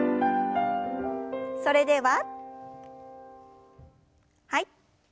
それでははい。